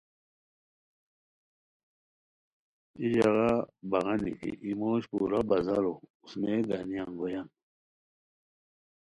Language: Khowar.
ای ژاغا بغانی کی ای موش پورا بازارو اوسنئے گانی انگویان